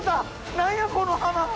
何やこの花。